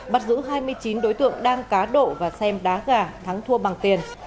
bắt giữ hai mươi chín đối tượng đang cá độ và xem đá gà thắng thua bằng tiền